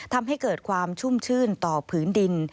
ทำให้เกิดความชุ่มชื่นต่อผืนดิน